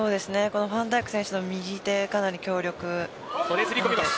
ファンダイク選手の右手はかなり強力です。